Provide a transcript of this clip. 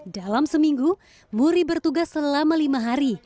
dalam seminggu muri bertugas selama lima hari